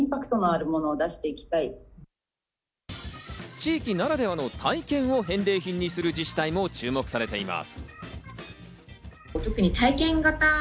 地域ならではの体験を返礼品にする自治体も注目されています。